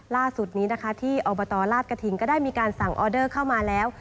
ล่าสุดนี้นะคะที่อบตลาดกระถิ่นก็ได้มีการสั่งออเดอร์เข้ามาแล้ว